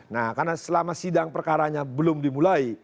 nah karena selama sidang perkaranya belum dimulai